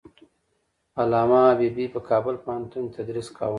علامه حبيبي په کابل پوهنتون کې تدریس کاوه.